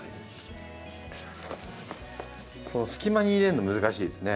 この隙間に入れるの難しいですね。